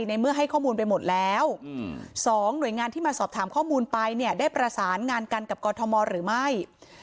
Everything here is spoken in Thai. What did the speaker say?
ในเมื่อให้ข้อมูลไปหมดแล้ว๒หน่วยงานที่มาสอบถามข้อมูลไปเนี่ยได้ประสานงานกันกับกรทมหรือไม่